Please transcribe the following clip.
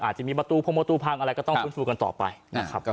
จะมีประตูพงประตูพังอะไรก็ต้องฟื้นฟูกันต่อไปนะครับ